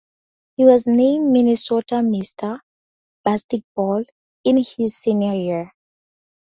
He was named Minnesota Mr. Basketball in his senior year.